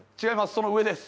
その上です。